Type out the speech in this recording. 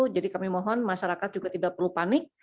jadi kami mohon masyarakat juga tidak perlu panik